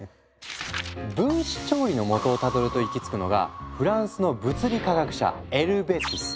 分子料理のもとをたどると行き着くのがフランスの物理化学者エルヴェ・ティス。